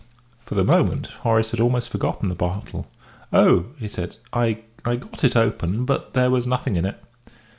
For the moment Horace had almost forgotten the bottle. "Oh!" he said, "I I got it open; but there was nothing in it."